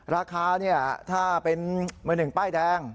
ราคาถ้าเป็นมือหนึ่งป้ายแดง